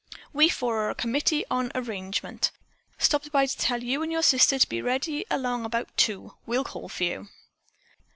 "We four are a committee on arrangement. Stopped by to tell you and your sister to be ready along about two. We'll call for you."